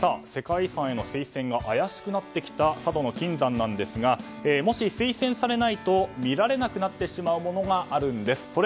世界遺産への推薦が怪しくなってきた佐渡島の金山なんですがもし、推薦されないと見られなくなってしまうものがあるんです。